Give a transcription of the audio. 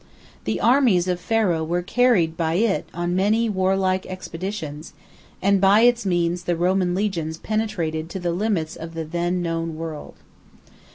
The armies of Pharaoh were carried by it on many warlike expeditions, and by its means the Roman legions penetrated to the limits of the then known world.